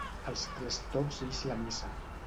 Als tres tocs ix la missa.